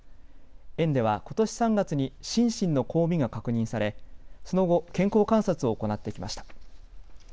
園ではことし３月にシンシンの交尾が確認されその後、健康観察を行ってきました。